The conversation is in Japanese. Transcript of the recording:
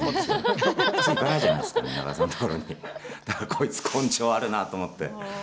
こいつ根性あるなと思って。